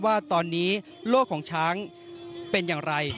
ว่าตอนนี้โลกของช้างเป็นอย่างไร